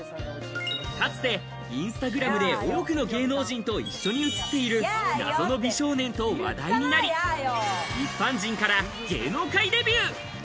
かつてインスタグラムで多くの芸能人と一緒に写っている謎の美少年と話題になり、一般人から芸能界デビュー。